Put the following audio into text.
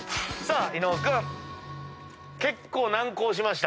伊野尾君結構難航しました。